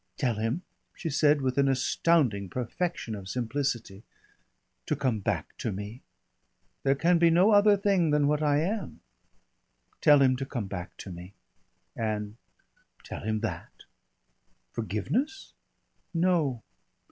"Tell him," she said, with an astounding perfection of simplicity, "to come back to me. There can be no other thing than what I am. Tell him to come back to me!" "And ?" "Tell him that." "Forgiveness?" "No!